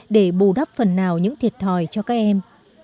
để bù đắp phần nào những thiệt thòi cho các em